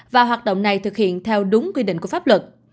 và hoạt động này thực hiện theo đúng quy định của pháp luật